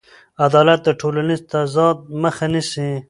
عدالت د ټولنیز تضاد مخه نیسي.